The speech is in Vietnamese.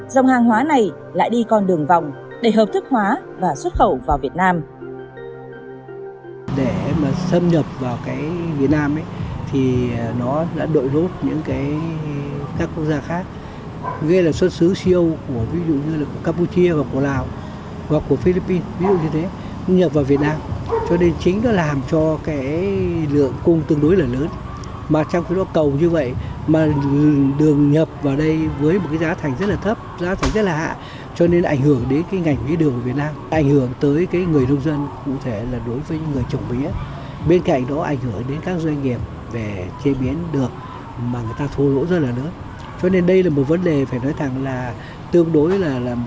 dòng hàng hóa này lại đi con đường vòng để hợp thức hóa và xuất khẩu vào việt nam